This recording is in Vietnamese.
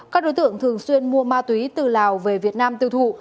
các đối tượng thường xuyên mua ma túy từ lào về việt nam tiêu thụ